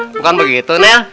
bukan begitu nel